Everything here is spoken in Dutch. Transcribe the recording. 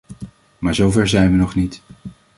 Maar zover zijn wij nog niet.